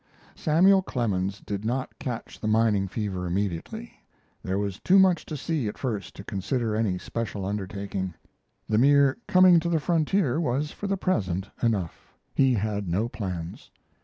Samuel Clemens did not catch the mining fever immediately; there was too much to see at first to consider any special undertaking. The mere coming to the frontier was for the present enough; he had no plans.